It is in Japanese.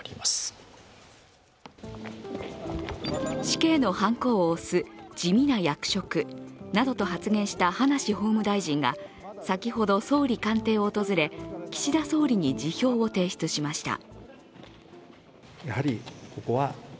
死刑のはんこを押す地味な役職などと発言した葉梨法務大臣が先ほど総理官邸を訪れ、岸田総理に辞表を提出しました。